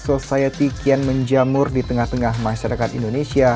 society kian menjamur di tengah tengah masyarakat indonesia